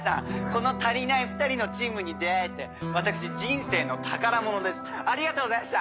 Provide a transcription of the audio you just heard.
このたりないふたりのチームに出会えて私人生の宝物ですありがとうございました！